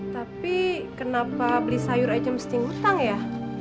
tapi kenapa beli sayur aja mesti ngutang ya